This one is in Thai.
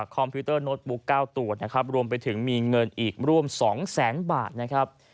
คอมพิวเตอร์โน้ตบุ๊ก๙ตัวนะครับรวมไปถึงมีเงินอีกร่วม๒แสนบาทนะครับ